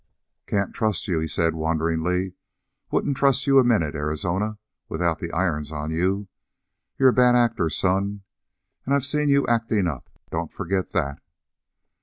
"Can't trust you," he said wonderingly. "Wouldn't trust you a minute, Arizona, without the irons on you. You're a bad actor, son, and I've seen you acting up. Don't forget that."